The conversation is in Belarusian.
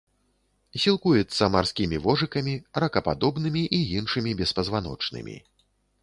Сілкуецца марскімі вожыкамі, ракападобнымі і іншымі беспазваночнымі.